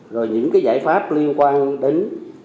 rồi những cái giải pháp liên quan đến